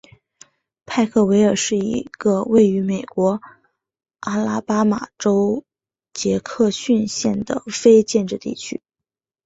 派克维尔是一个位于美国阿拉巴马州杰克逊县的非建制地区。